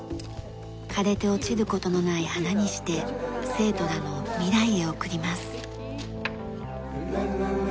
枯れて落ちる事のない花にして生徒らの未来へ贈ります。